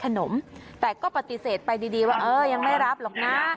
ขนมแต่ก็ปฏิเสธไปดีดีว่าเออยังไม่รับหรอกนะ